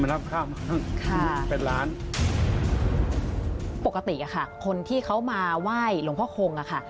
มันรำค่ามากค่ะเป็นล้านปกติอ่ะค่ะคนที่เขามาไหว้หลวงพ่อโคงอ่ะค่ะ